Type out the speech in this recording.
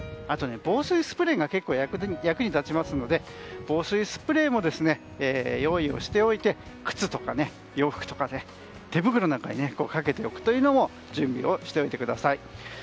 あと、防水スプレーが結構役に立ちますので防水スプレーも用意をしておいて靴とか洋服とか手袋なんかにかけておくという準備をしておいてください。